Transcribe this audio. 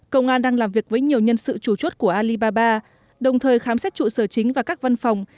công an đang làm việc với nhiều nhân sự chủ chốt của alibaba đồng thời khám xét trụ sở chính và các văn phòng